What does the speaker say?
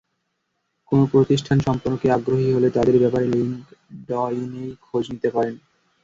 কোনো প্রতিষ্ঠান সম্পর্কে আগ্রহী হলে তাদের ব্যাপারে লিংকডইনেই খোঁজ নিতে পারেন।